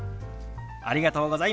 ありがとうございます。